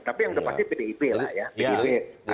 tapi yang sudah pasti pdip lah ya